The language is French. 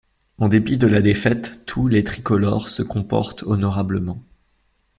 En dépit de la défaite, tous les tricolores se comportent honorablement.